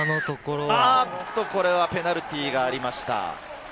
これはペナルティーがありました。